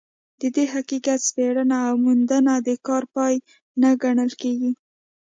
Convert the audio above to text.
د دې حقیقت سپړنه او موندنه د کار پای نه ګڼل کېږي.